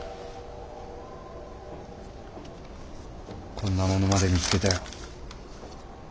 こんなものまで見つけたよ。